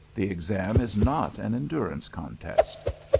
The Exam is not an endurance contest.